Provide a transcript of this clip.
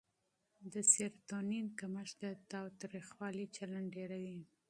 د سېرټونین کمښت د تاوتریخوالي چلند ډېروي.